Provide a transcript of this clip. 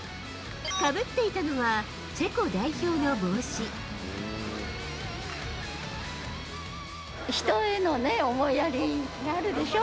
かぶっていたのは、チェコ代表の人へのね、思いやりがあるでしょ。